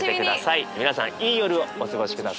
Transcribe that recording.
皆さんいい夜をお過ごし下さい。